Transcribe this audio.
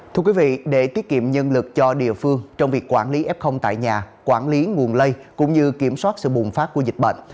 thưa quý vị để tiết kiệm nhân lực cho địa phương trong việc quản lý f tại nhà quản lý nguồn lây cũng như kiểm soát sự bùng phát của dịch bệnh